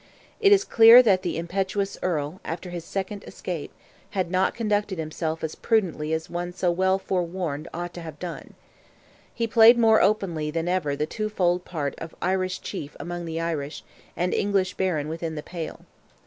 It is clear that the impetuous Earl, after his second escape, had not conducted himself as prudently as one so well forewarned ought to have done. He played more openly than ever the twofold part of Irish Chief among the Irish, and English Baron within the Pale.